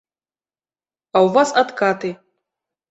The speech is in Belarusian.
А ў вас адкаты.